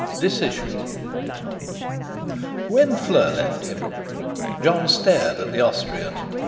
X.—DECISION When Fleur left him Jon stared at the Austrian.